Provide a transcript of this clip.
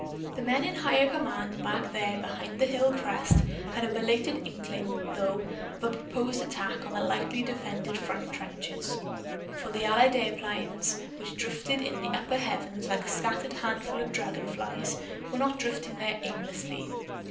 The men in higher command, back there behind the hill crest, had a belated inkling, though, of a proposed attack on the lightly defended front trenches. For the Allied airplanes which drifted in the upper heavens like a scattered handful of dragon flies were not drifting there aimlessly.